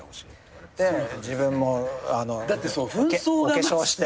自分もお化粧して。